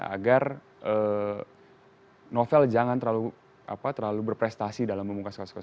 agar novel jangan terlalu berprestasi dalam memungkas kasus kasus